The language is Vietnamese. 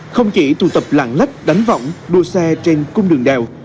không chỉ tụ tập lạng lách đánh võng đua xe trên cung đường đèo